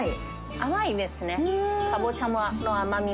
甘いですね。